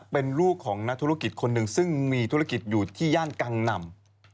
เป็นลูกของนักธุรกิจคนหนึ่งซึ่งมีธุรกิจอยู่ที่ย่านกังนำ